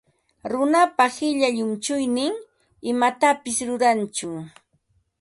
Runapa qilla llunchuynin imatapis rurantsu.